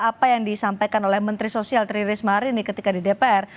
apa yang disampaikan oleh menteri sosial tri risma hari ini ketika di dpr